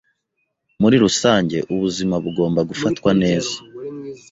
Muri rusangeubuzima bugomba gufatwa neza